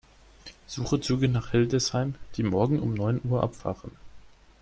Suche Züge nach Hildesheim, die morgen um neun Uhr abfahren.